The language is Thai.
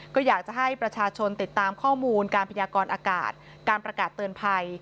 ก็อยากจะให้ประชาชนติดตามข้อมูลการพยากรอากาศการประกาศเตือนภัย